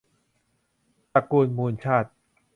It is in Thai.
ตระกูลมูลชาติ